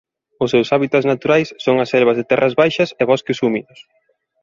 Os seus hábitats naturais son as selvas de terras baixas e bosques húmidos.